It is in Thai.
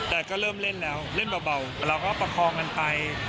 แต่ก็เริ่มเล่นแล้วเล่นเบาเราก็ประคองกันไป